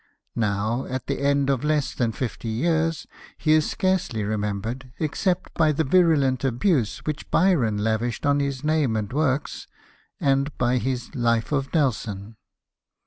Now, at the end of less than fifty years, he is scarcely remembered except by the virulent abuse which Byron lavished on his name and works, and by his " Life of Nelson."